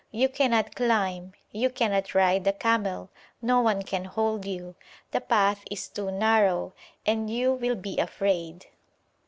You cannot climb, you cannot ride the camel, no one can hold you; the path is too narrow, and you will be afraid.'